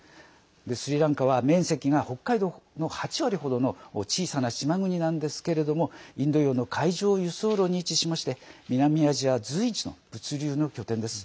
スリランカは面積が北海道の８割ほどの小さな島国なんですけれどもインド洋の海上輸送路に位置しまして南アジア随一の物流の拠点です。